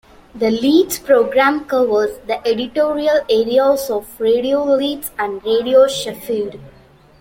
The Leeds programme covers the editorial areas of Radio Leeds and Radio Sheffield.